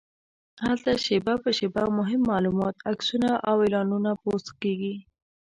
هلته شېبه په شېبه مهم معلومات، عکسونه او اعلانونه پوسټ کېږي.